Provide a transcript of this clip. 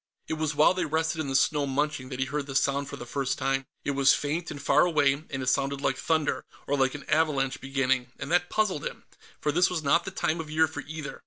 It was while they rested in the snow, munching, that he heard the sound for the first time. It was faint and far away, and it sounded like thunder, or like an avalanche beginning, and that puzzled him, for this was not the time of year for either.